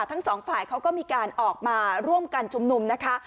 ทั้งสองฝ่ายเขาก็มีการออกมาร่วมกันชุมนุมนะคะ